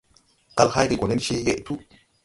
Kal hayge gɔ nen cee yeʼ tuu.